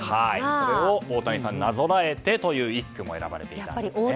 これを大谷さんになぞらえてという一句も選ばれていますね。